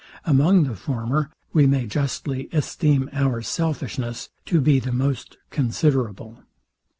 Among the former, we may justly esteem our selfishness to be the most considerable.